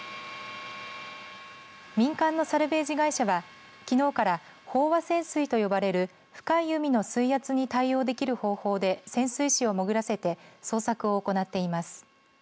民間のサルベージ会社はきのうから飽和潜水と呼ばれる深い海の水圧に対応できる方法で潜水士を潜らせて捜索を行っています。